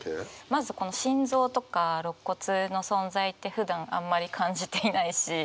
まずこの「心臓」とか「肋骨」の存在ってふだんあんまり感じていないし。